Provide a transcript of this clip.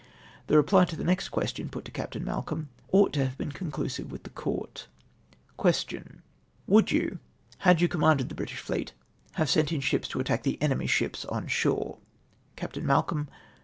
The reply to the next question put to Captam Mal colm ought to have been conclusive with the Court. Question. —" Would you, had you commanded the British fleet, have sent in ships to attack the enemy's ships on shore?'' Capt. Malcolm.